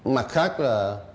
mặt khác là